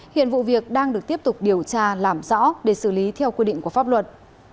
hiện vụ việc đang được tiếp tục điều tra làm rõ để xử lý theo quy định của pháp luật